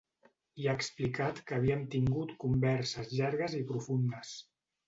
I ha explicat que havien tingut converses llargues i profundes.